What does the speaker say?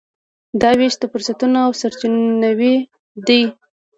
دا وېش د فرصتونو او سرچینو دی.